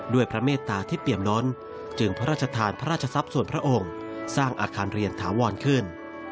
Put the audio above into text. พระเมตตาที่เปี่ยมล้นจึงพระราชทานพระราชทรัพย์ส่วนพระองค์สร้างอาคารเรียนถาวรขึ้น